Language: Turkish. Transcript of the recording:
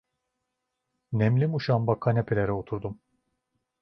Nemli muşamba kanapelere oturdum.